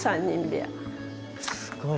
すごい。